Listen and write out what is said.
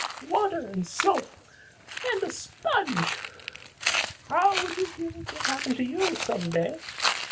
Water and soap! And a sponge! How would you feel if that happened to you some day?